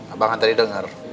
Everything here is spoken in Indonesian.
abang kan tadi denger